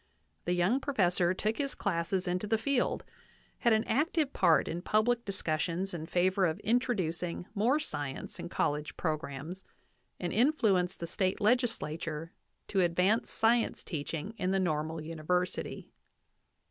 The young professor took his classes into the field, had an active part in public discussions in favor of introducing more science in college programs, and influenced the State legislature to advance science teaching in the Normal University.